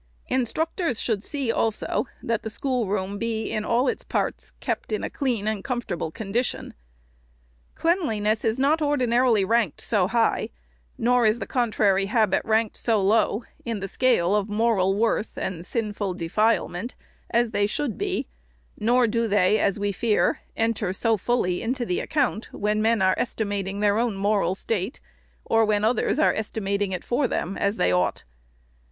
" Instructors should see, also, that the schoolroom be, in all its parts, kept in a clean and comfortable condition. Cleanliness is not ordinarily ranked so high, nor is the contrary habit ranked so low, in the scale of moral worth and sinful defilement, as they should be, nor do they, as we fear, enter so fully into the account when men are estimating their own moral state, or when others are estimating it for them, as they ought.